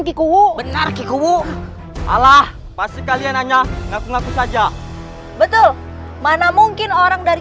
kikuu benar kikuu salah pasti kalian hanya ngaku ngaku saja betul mana mungkin orang dari